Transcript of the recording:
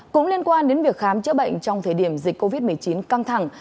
cũng liên quan đến việc khám chữa bệnh trong thời điểm dịch covid một mươi chín căng thẳng